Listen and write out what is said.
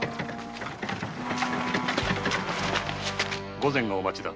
御前がお待ちだ。